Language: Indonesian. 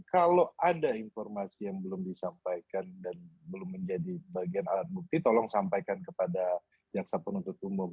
kalau ada informasi yang belum disampaikan dan belum menjadi bagian alat bukti tolong sampaikan kepada jaksa penuntut umum